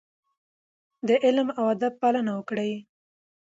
د علم او ادب پالنه وکړئ.